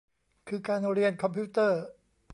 คือการเรียนคอมพิวเตอร์